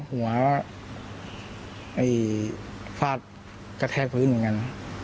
หัวฟาดกระแทกพื้นเหมือนกัน